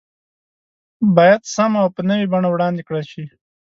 بايد سم او په نوي بڼه وړاندې کړل شي